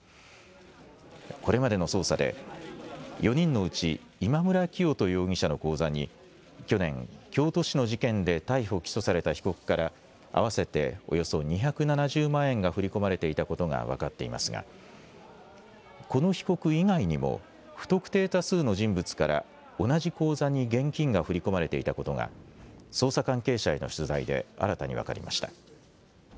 これまでの捜査で４人のうち今村磨人容疑者の口座に去年、京都市の事件で逮捕・起訴された被告から合わせておよそ２７０万円が振り込まれていたことが分かっていますがこの被告以外にも不特定多数の人物から同じ口座に現金が振り込まれていたことが捜査関係者への取材で新たに分かりました。